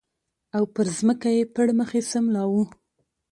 او پر ځمکه یې پړ مخې سملاوه